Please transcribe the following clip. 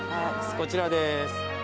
こちらです。